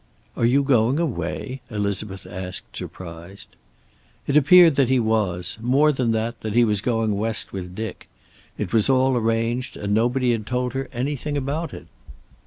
"Are you going away?" Elizabeth asked, surprised. It appeared that he was. More than that, that he was going West with Dick. It was all arranged and nobody had told her anything about it.